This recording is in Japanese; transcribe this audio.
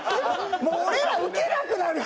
もう俺らウケなくなる。